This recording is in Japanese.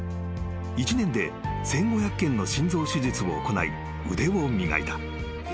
［１年で１，５００件の心臓手術を行い腕を磨いた］